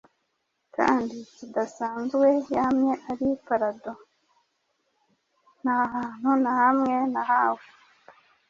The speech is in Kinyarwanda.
kandi kidasanzwe yamye ari parado: ntahantu na hamwe nahawe